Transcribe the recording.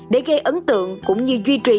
để gây ấn tượng cũng như duy trì